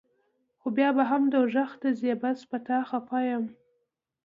خو بیا به هم دوزخ ته ځې بس پۀ تا خفه يم